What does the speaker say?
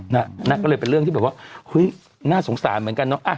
นั่นก็เลยเป็นเรื่องที่แบบว่าเฮ้ยน่าสงสารเหมือนกันเนอะ